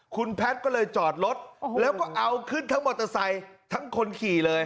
คุณแพทย์ก็เลยจอดรถแล้วก็เอาขึ้นทั้งมอเตอร์ไซค์ทั้งคนขี่เลย